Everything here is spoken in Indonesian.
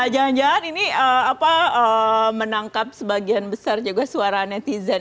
jangan jangan ini menangkap sebagian besar juga suara netizen